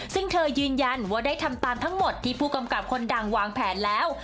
ซึ่งเธอยืนยันว่าได้ทำตามทั้งหมดที่ผู้กำกับคนดังวางแผนแล้ว